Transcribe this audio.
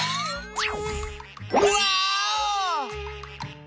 ワーオ！